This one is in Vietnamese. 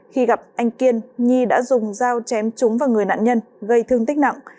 khi gặp anh kiên nhi đã dùng dao chém trúng vào người nạn nhân gây thương tích nặng